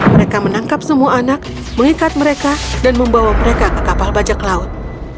mereka menangkap semua anak mengikat mereka dan membawa mereka ke kapal bajak laut